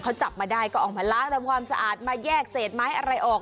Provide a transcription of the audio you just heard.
เขาจับมาได้ก็ออกมาล้างทำความสะอาดมาแยกเศษไม้อะไรออก